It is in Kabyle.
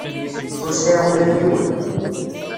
Ur sɛiɣ ula d yiwen.